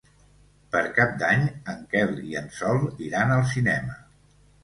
Per Cap d'Any en Quel i en Sol iran al cinema.